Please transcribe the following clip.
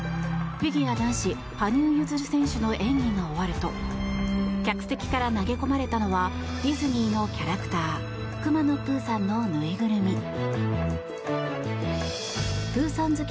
フィギュア男子、羽生結弦選手の演技が終わると客席から投げ込まれたのはディズニーのキャラクターくまのプーさんの縫いぐるみ。